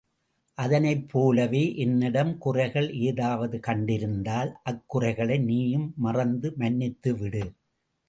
அதனைப் போலவே என்னிடம் குறைகள் ஏதாவது கண்டிருந்தால் அக்குறைகளை நீயும் மறந்து மன்னித்துவிடு.